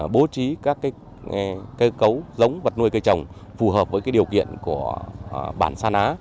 bố trí các cơ cấu giống vật nuôi cây trồng phù hợp với điều kiện của bản sa ná